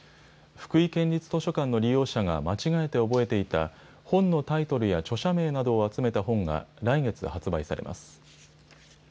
福井県立図書館の利用者が間違えて覚えていた本のタイトルや著者名などを集めた本が、来月発売されます。